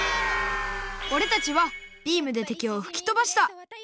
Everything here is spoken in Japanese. おれたちはビームでてきをふきとばした。